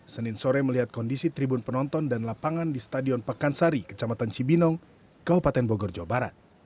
senin sore melihat kondisi tribun penonton dan lapangan di stadion pakansari kecamatan cibinong kabupaten bogor jawa barat